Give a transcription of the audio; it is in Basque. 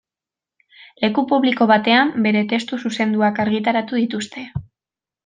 Leku publiko batean bere testu zuzenduak argitaratu dituzte.